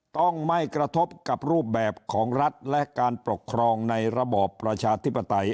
ต้องไม่กระทบกับรูปแบบของรัฐและการปกครองในระบอบประชาธิปไตย